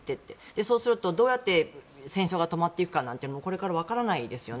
そうすると、どうやって戦争が止まっていくかなんて分からないですよね。